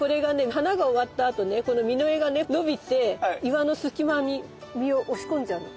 花が終わったあとねこの実が伸びて岩のすき間に実を押し込んじゃうの。